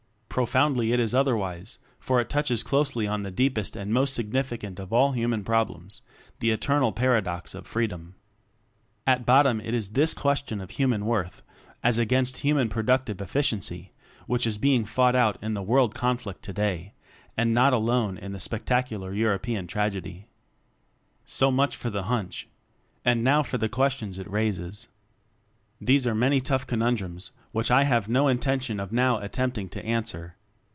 Profoundly is it otherwise, for it touches closely on the deepest and most significant of all human prob lems the eternal paradox of freedom. At bottom it is this question of human worth as against human productive ef ficiency which is being fought out in the World conflict today and not alone in the spectacular European tragedy. So much for the "hunch." And now for the questions which it raises. These are many tough conundrums, which I have no intention of now at tempting to answer.